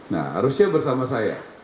nah harusnya bersama saya